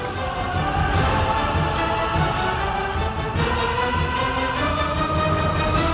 kau tidak akan bisa menang